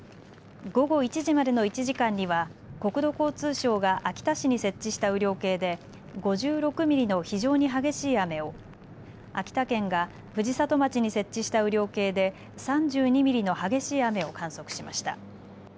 午後１時までの１時間には国土交通省が秋田市に設置した雨量計で５６ミリの非常に激しい雨を、秋田県が藤里町に設置した雨量計で３２ミリの激しい雨を観測しました。